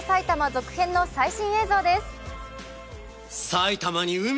続編の最新映像です。